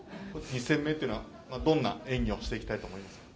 ２戦目っていうのはどんな演技をしていきたいと思いますか？